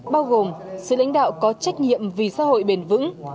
bao gồm sự lãnh đạo có trách nhiệm vì xã hội bền vững